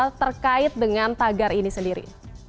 hal terkait dengan tagar ini sendiri